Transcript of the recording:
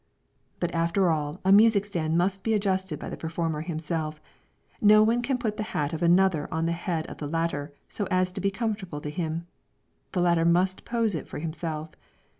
But after all a music stand must be adjusted by the performer himself; no one can put the hat of another on the head of the latter so as to be comfortable to him. The latter must pose it for himself.